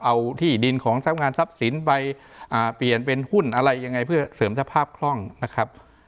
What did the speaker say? เอาที่ดินของทรัพย์งานทรัพย์สินไปเปลี่ยนเป็นหุ้นอะไรยังไงเพื่อเสริมสภาพคล่องนะครับ